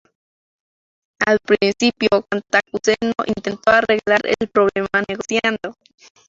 Al principio, Cantacuceno intentó arreglar el problema negociando.